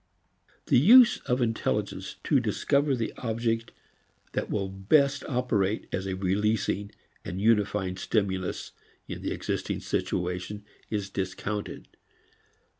The use of intelligence to discover the object that will best operate as a releasing and unifying stimulus in the existing situation is discounted.